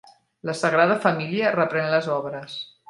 La Sagrada Família reprèn les obres.